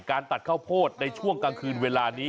ตัดข้าวโพดในช่วงกลางคืนเวลานี้